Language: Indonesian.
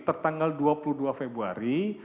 tertanggal dua puluh dua februari